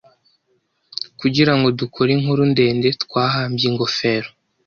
Kugirango dukore inkuru ndende, twahambye ingofero.